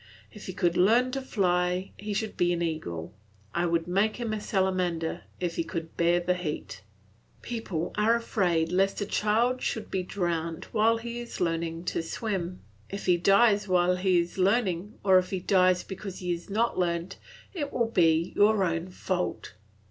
If he could learn to fly, he should be an eagle; I would make him a salamander, if he could bear the heat. People are afraid lest the child should be drowned while he is learning to swim; if he dies while he is learning, or if he dies because he has not learnt, it will be your own fault.